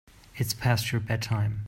It's past your bedtime.